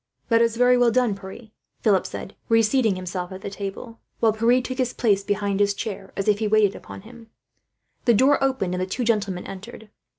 "That is very well done, Pierre," Philip said; reseating himself at the table, while Pierre took his place behind his chair, as if waiting upon him. The door opened, and the two gentlemen entered.